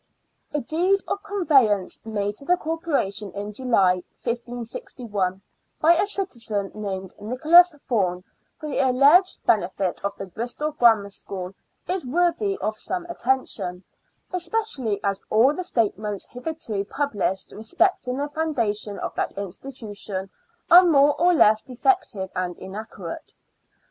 A DEED of conveyance made to the Corporation in July, 1561, by a citizen named Nicholas Thorne, for the alleged benefit of the Bristol Grammar School, is worthy of some attention, especially as all the statements hitherto pub lished respecting the foundation of that institution are more or less defective and inaccurate.